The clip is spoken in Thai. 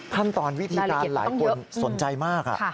ขั้นตอนวิธีการหลายคนสนใจมาก